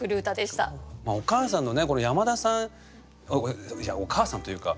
お母さんのねこの山田さんいやお母さんというか。